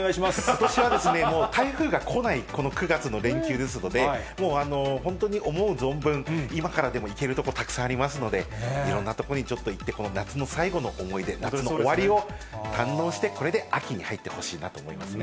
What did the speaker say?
ことしはですね、台風が来ない、この９月の連休ですので、もう本当に思う存分、今からでも行ける所、たくさんありますので、いろんな所にちょっと行って、夏の最後の思い出、終わりを堪能して、これで秋には行ってほしいなと思いますね。